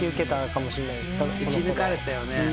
打ち抜かれたよね？